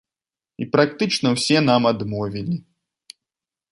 І практычна ўсе нам адмовілі.